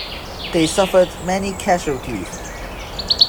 They suffered many casualties.